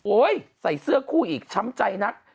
ใส่เสื้อคู่อีกช้ำใจนัก